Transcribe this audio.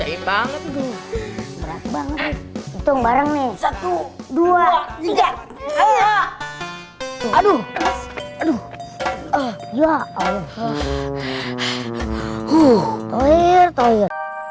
itu bareng nih satu ratus dua puluh tiga aduh aduh ya al khair toyo